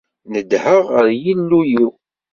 Nedheɣ ɣer Yillu-iw.